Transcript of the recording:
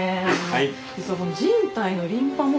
はい。